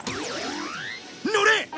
乗れ！